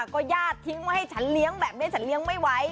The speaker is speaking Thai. ก็ญาติทิ้งไว้ให้ฉันเลี้ยงแบบนี้ฉันเลี้ยงไม่ไหว